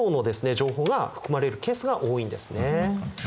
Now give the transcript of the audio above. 情報が含まれるケースが多いんですね。